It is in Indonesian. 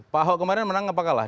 pak ahok kemarin menang apa kalah